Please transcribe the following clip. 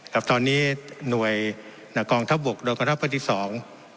ครับตอนนี้หน่วยหน้ากองทัพบกโดยกรรมทัพพฤติสอง